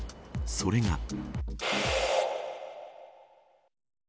それが。